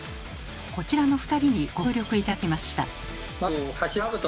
こちらの２人にご協力頂きました。